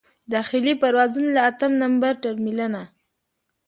د داخلي پروازونو له اتم نمبر ټرمینله.